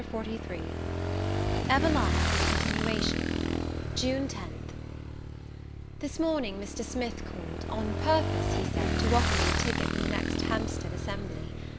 LETTER XLIII EVELINA IN CONTINUATION June 10th THIS morning Mr. Smith called, on purpose, he said, to offer me a ticket for the next Hampstead assembly.